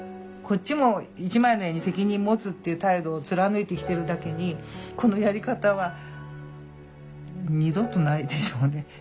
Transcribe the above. こっちも１枚の絵に責任持つっていう態度を貫いてきてるだけにこのやり方は二度とないでしょうね。